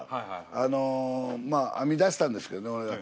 あのまあ編み出したんですけどね俺が。